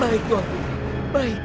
baik waduh baik